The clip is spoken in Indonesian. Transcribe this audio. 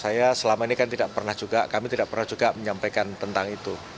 saya selama ini kan tidak pernah juga kami tidak pernah juga menyampaikan tentang itu